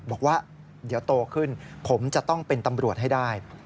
บอกว่าเดี๋ยวโตขึ้นผมจะต้องเป็นตำรวจให้ได้